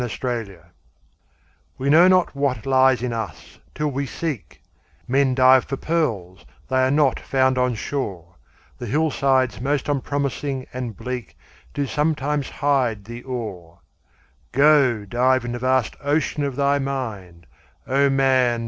HIDDEN GEMS We know not what lies in us, till we seek; Men dive for pearls—they are not found on shore, The hillsides most unpromising and bleak Do sometimes hide the ore. Go, dive in the vast ocean of thy mind, O man!